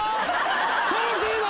楽しいな！